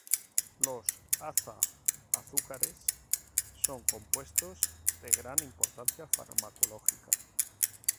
Los aza-azúcares son compuestos de gran importancia farmacológica.